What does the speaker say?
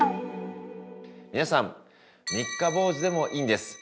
◆皆さん、３日坊主でもいいんです。